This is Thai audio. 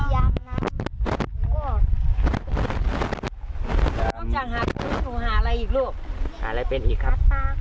ต้องจังหาหนูหาอะไรอีกลูกหาอะไรเป็นอีกครับ